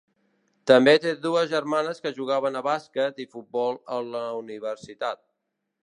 També té dues germanes que jugaven a bàsquet i futbol a la universitat.